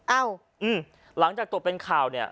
เอ้าหลังจากตกเป็นข่าวเนี่ย